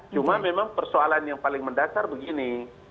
cuma memang persoalan yang paling mendasar begini